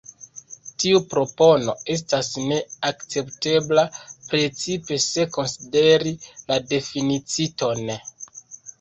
Tiu propono estas ne akceptebla, precipe se konsideri la deficiton.